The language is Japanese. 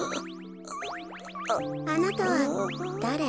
あなたはだれ？